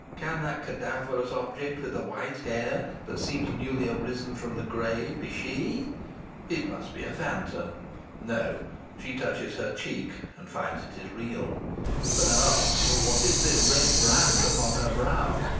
Can that cadaverous object, with the white hair, that seems newly arisen from the grave, be she? It must be a phantom. No she touches her cheek, and finds it is real. But, ah! what is this red brand upon her brow?